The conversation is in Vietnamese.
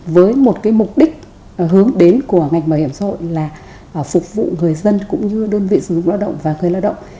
với một mục đích hướng đến của ngành bảo hiểm xã hội là phục vụ người dân cũng như đơn vị sử dụng lao động và người lao động